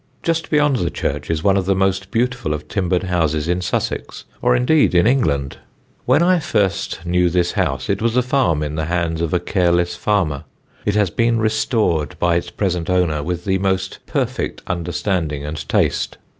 Just beyond the church is one of the most beautiful of timbered houses in Sussex, or indeed in England. When I first knew this house it was a farm in the hands of a careless farmer; it has been restored by its present owner with the most perfect understanding and taste.